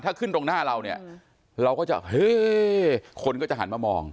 ถ้าขึ้นตรงหน้าเราเนี่ยเราก็จะเฮ้ยคนก็จะหันมามอง